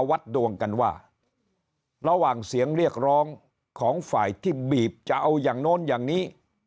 วัดดวงกันว่าระหว่างเสียงเรียกร้องของฝ่ายที่บีบจะเอาอย่างโน้นอย่างนี้